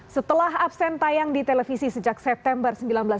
setelah absen tayang di televisi sejak september seribu sembilan ratus sembilan puluh